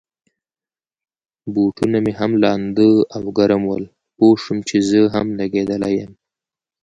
بوټونه مې هم لانده او ګرم ول، پوه شوم چي زه هم لګېدلی یم.